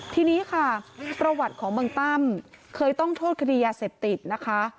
ทีนี้ค่ะประวัติของบังตั้มเคยต้องโทษคดียาเสพติดนะคะ